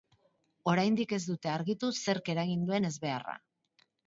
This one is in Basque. Oraindik ez dute argitu zerk eragin duen ezbeharra.